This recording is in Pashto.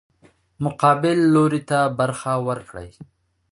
مقابل لوري ته برخه ورکړي.